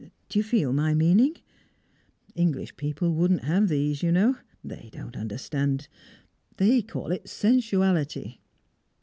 Do you feel my meaning? English people wouldn't have these, you know. They don't understand. They call it sensuality."